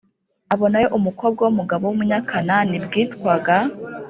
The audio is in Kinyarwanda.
abonayo umukobwa w umugabo w Umunyakananib witwaga